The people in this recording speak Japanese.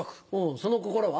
その心は？